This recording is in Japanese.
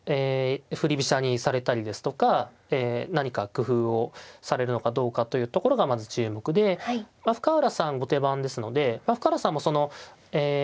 振り飛車にされたりですとかえ何か工夫をされるのかどうかというところがまず注目で深浦さん後手番ですので深浦さんもそのえ